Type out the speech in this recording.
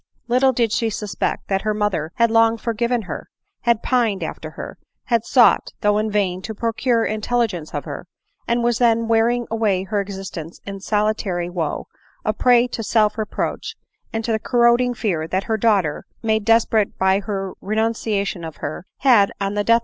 Little did she suspect that her mother had long forgiven her ; had pined after her ; had sought, though in vain, to procure intelligence of her, and was then wearing away her existence in sol itary wo, a prey to self reproach, and to the corroding fear that her daughter, made desperate by her renuncia tion of her, had, on the death